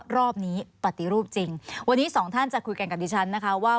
รอบนี้ปฏิรูปจริงวันนี้สองท่านจะคุยกันกับดิฉันนะคะว่า